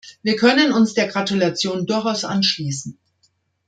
Wir können uns der Gratulation durchaus anschließen.